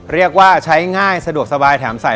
เรียกว่าใช้ง่ายสะดวกสบายแถมใส่